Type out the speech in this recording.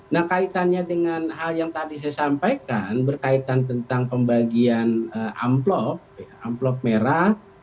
nah kaitannya dengan hal yang tadi saya sampaikan berkaitan tentang pembagian amplop amplop merah